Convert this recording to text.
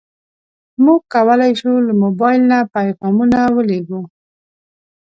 موږ کولی شو له موبایل نه پیغامونه ولېږو.